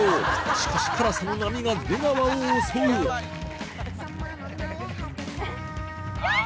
しかし辛さの波が出川を襲う頑張れ！